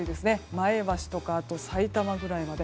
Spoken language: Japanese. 前橋とか、さいたまぐらいまで。